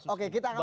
oke kita akan beri